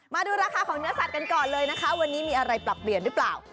มาดูราคาของเนื้อสัตว์กันก่อนเลยนะคะวันนี้มีอะไรปรับเปลี่ยนหรือเปล่า